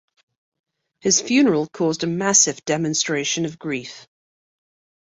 His funeral caused a massive demonstration of grief.